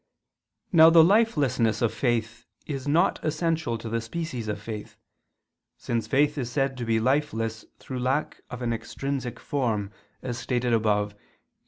Now the lifelessness of faith is not essential to the species of faith, since faith is said to be lifeless through lack of an extrinsic form, as stated above (Q.